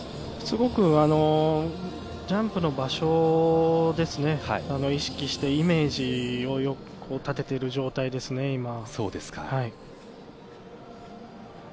すごくジャンプの場所ですね、意識してイメージを立てている状態ですね、今。